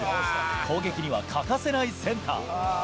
攻撃には欠かせないセンター。